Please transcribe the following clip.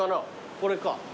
これか。